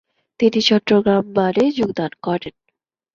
তিনি চট্টগ্রাম বারে যোগদান করেন।